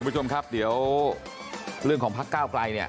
คุณผู้ชมครับเดี๋ยวเรื่องของพักก้าวไกล